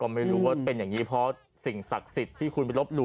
ไม่รู้ว่าเป็นอย่างนี้เพราะสิ่งศักดิ์สิทธิ์ที่คุณไปลบหลู